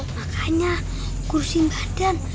makanya kursi badan